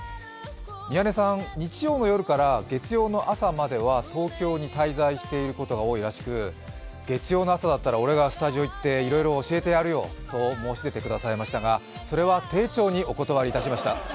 宮根さん、日曜の夜から月曜の朝までは東京に滞在していることが多いらしく月曜の朝だったら俺がスタジオ行っていろいろ教えてやるよと申し出てくださいましたがそれは丁重にお断りしました。